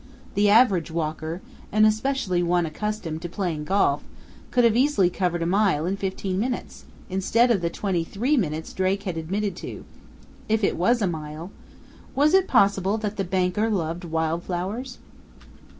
The average walker, and especially one accustomed to playing golf, could easily have covered a mile in fifteen minutes, instead of the twenty three minutes Drake had admitted to.... If it was a mile!... Was it possible that the banker loved wildflowers?